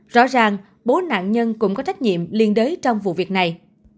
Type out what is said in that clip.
rõ ràng bố nạn nhân cũng có trách nhiệm liên đới trong vụ việc này